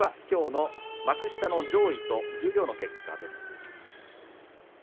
きょうの幕下上位と十両の結果です。